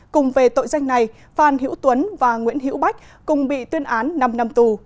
cùng về tội danh này phan hiễu tuấn và nguyễn hữu bách cùng bị tuyên án năm năm tù